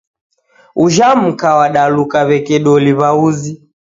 Ujha mka wadaluka w'eke doli w'a uzi